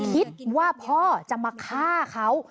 คิดว่าพ่อจะมาฆ่าเขา